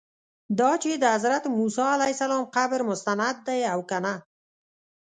دا چې د حضرت موسی علیه السلام قبر مستند دی او که نه.